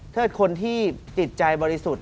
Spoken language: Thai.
ถ้าคนที่ติดใจบริสุทธิ์